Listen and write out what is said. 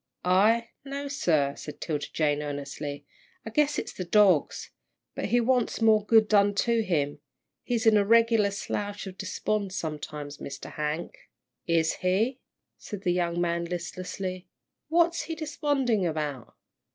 "I no, sir," said 'Tilda Jane, earnestly. "I guess it's the dogs. But he wants more good done to him. He's in a regular slouch of despond sometimes, Mr. Hank." "Is he?" said the young man, listlessly; "what's he desponding about?"